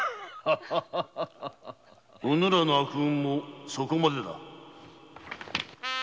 ・うぬらの悪運もそこまでだ。